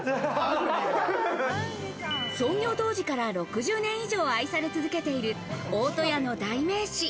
創業当時から６０年以上愛され続けている大戸屋の代名詞。